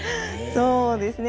そうですね